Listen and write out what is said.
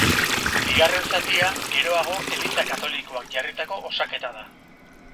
Bigarren zatia geroago eliza katolikoak jarritako osaketa da.